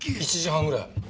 １時半ぐらい。